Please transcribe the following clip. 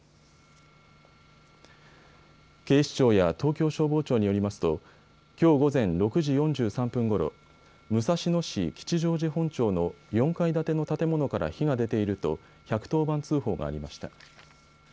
警視庁や東京消防庁によりますときょう午前６時４３分ごろ、武蔵野市吉祥寺本町の４階建ての建物から火が出ていると１１０番通報がありました。